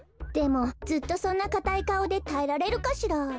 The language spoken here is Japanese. でもずっとそんなかたいかおでたえられるかしら？